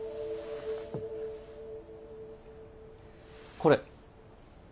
これ。